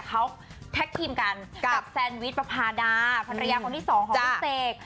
เขาแท็กทีมกันกับแซนวิชประพาดาภรรยาคนที่สองของพี่เสก